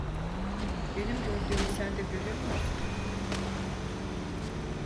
Benim gördüğümü sen de görüyor musun?